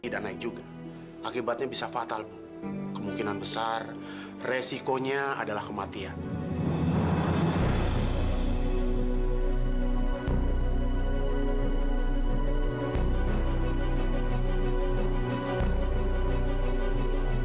tidak naik juga akibatnya bisa fatal kemungkinan besar resikonya adalah kematian